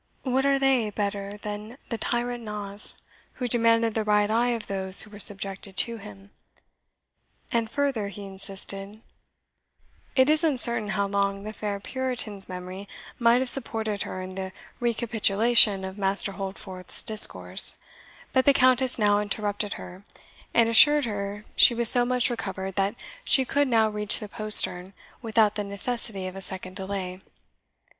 What are they better than the tyrant Naas, who demanded the right eye of those who were subjected to him?' And further he insisted " It is uncertain how long the fair Puritan's memory might have supported her in the recapitulation of Master Holdforth's discourse; but the Countess now interrupted her, and assured her she was so much recovered that she could now reach the postern without the necessity of a second delay.